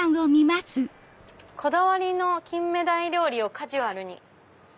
「こだわりの金目鯛料理をカジュアルに」。